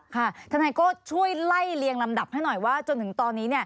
ทนายโก้ช่วยไล่เลียงลำดับให้หน่อยว่าจนถึงตอนนี้